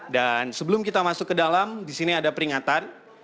dan sebelum kita masuk ke dalam disini ada peringatan